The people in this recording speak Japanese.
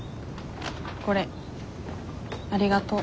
これありがとう。